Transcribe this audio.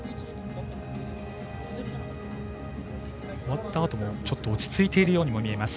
終わったあとも落ち着いているように見えます